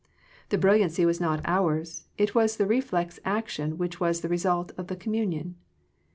The brilliancy was not ours; it was the reflex action which was the result of the communion.